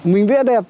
mình viết đẹp